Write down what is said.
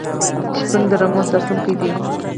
شپون د رمو ساتونکی دی.